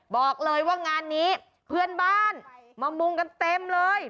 บอกเลยว่างานนี้เพื่อนบ้านมามุงกันเต็มเลย